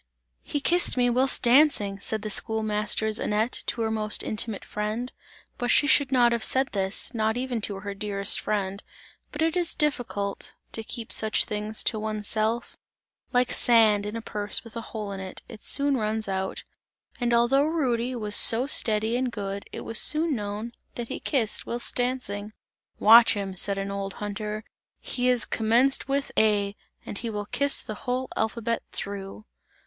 "He kissed me whilst dancing!" said the schoolmaster's Annette to her most intimate friend, but she should not have said this, not even to her dearest friend, but it is difficult to keep such things to one's self like sand in a purse with a hole in it, it soon runs out and although Rudy was so steady and good it was soon known that he kissed whilst dancing. "Watch him," said an old hunter, "he has commenced with A, and he will kiss the whole alphabet through!"